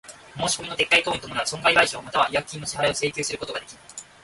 申込みの撤回等に伴う損害賠償又は違約金の支払を請求することができない。